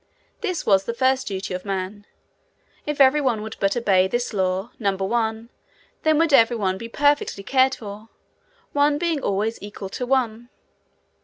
This was the first duty of Man. If every one would but obey this law, number one, then would every one be perfectly cared for one being always equal to one.